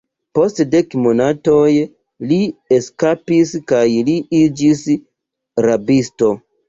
Post dek monatoj li eskapis kaj li iĝis rabisto.